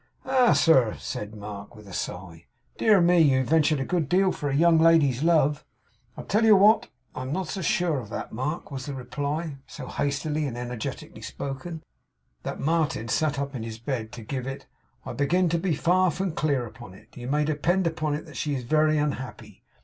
'Ah, sir!' said Mark, with a sigh. 'Dear me! You've ventured a good deal for a young lady's love!' 'I tell you what. I'm not so sure of that, Mark,' was the reply; so hastily and energetically spoken, that Martin sat up in his bed to give it. 'I begin to be far from clear upon it. You may depend upon it she is very unhappy.